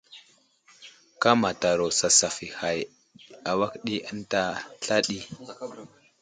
Kámataro sasaf i hay i awak ɗi ənta sla ɗi.